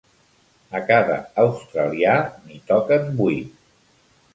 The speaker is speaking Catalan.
A cada australià n'hi toquen vuit.